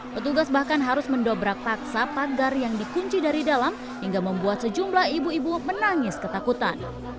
petugas bahkan harus mendobrak paksa pagar yang dikunci dari dalam hingga membuat sejumlah ibu ibu menangis ketakutan